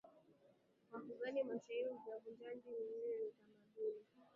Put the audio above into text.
wa kughani mashahiri uvunjaji na udundishaji na uchoraji Imani Kama ilivyo kwa tamaduni